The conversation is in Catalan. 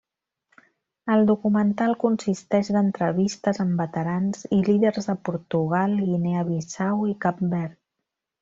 El documental consisteix d'entrevistes amb veterans i líders de Portugal, Guinea Bissau i Cap Verd.